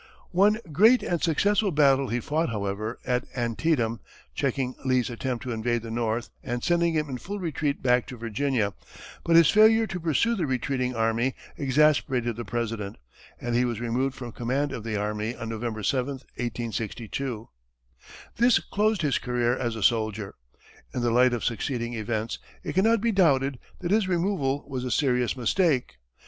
One great and successful battle he fought, however, at Antietam, checking Lee's attempt to invade the North and sending him in full retreat back to Virginia, but his failure to pursue the retreating army exasperated the President, and he was removed from command of the army on November 7, 1862. This closed his career as a soldier. In the light of succeeding events, it cannot be doubted that his removal was a serious mistake.